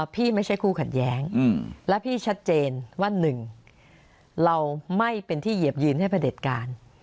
ไม่ใช่คู่ขัดแย้งและพี่ชัดเจนว่า๑เราไม่เป็นที่เหยียบยืนให้ประเด็จการ